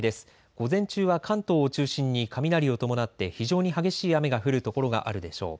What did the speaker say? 午前中は関東を中心に雷を伴って非常に激しい雨が降る所があるでしょう。